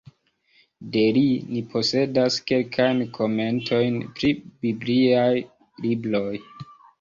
De li ni posedas kelkajn komentojn pri bibliaj libroj.